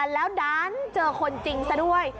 แล้วดันเจอคนจริงซะด้วย